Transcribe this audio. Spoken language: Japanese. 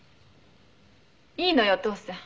「いいのよお父さん。